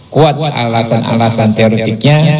kuat alasan alasan teoretiknya